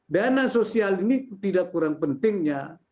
dana sosial ini tidak kurang pentingnya